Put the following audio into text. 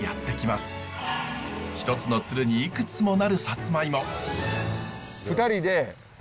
一つのツルにいくつもなるサツマイモ。